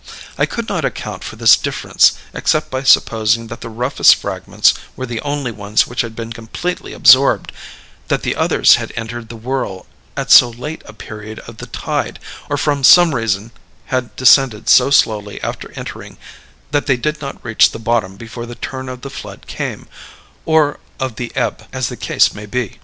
Now, I could not account for this difference except by supposing that the roughened fragments were the only ones which had been completely absorbed; that the others had entered the whirl at so late a period of the tide, or from some reason had descended so slowly after entering, that they did not reach the bottom before the turn of the flood came or of the ebb, as the case might be.